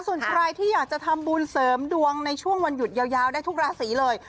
ส่วนใครที่อยากจะทำบุญเสริมดวงในช่วงวันหยุดยาวได้ทุกราศีเลย